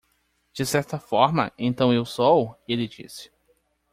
"De certa forma,?, então eu sou?" ele disse.